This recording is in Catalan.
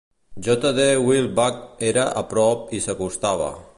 JD Weilbach era a prop i s'acostava.